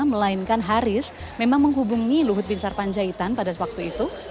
melainkan haris memang menghubungi luhut bin sarpanjaitan pada waktu itu